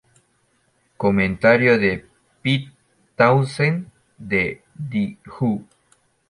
Comentario de Pete Townshend de The Who.